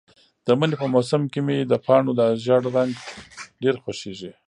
د مني په موسم کې مې د پاڼو دا ژېړ رنګ ډېر خوښیږي.